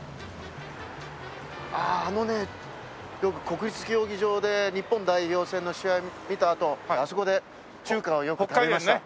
あああのねよく国立競技場で日本代表戦の試合見たあとあそこで中華をよく食べました。